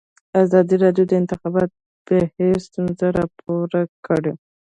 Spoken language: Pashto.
ازادي راډیو د د انتخاباتو بهیر ستونزې راپور کړي.